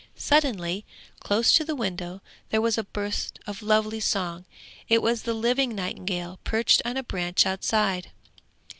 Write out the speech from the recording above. Suddenly, close to the window, there was a burst of lovely song; it was the living nightingale, perched on a branch outside.